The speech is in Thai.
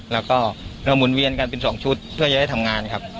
แล้วก็เราหมุนเวียนกันเป็น๒ชุดเพื่อจะได้ทำงานครับ